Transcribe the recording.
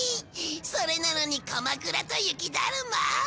それなのにかまくらと雪だるま？